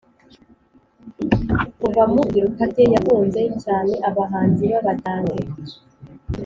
Kuva mu ibyiruka rye, yakunze cyane abahanzi babadange